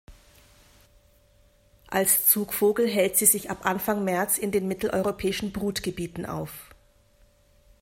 Als Zugvogel hält sie sich ab Anfang März in den mitteleuropäischen Brutgebieten auf.